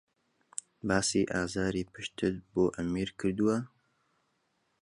باسی ئازاری پشتتت بۆ ئەمیر کردووە؟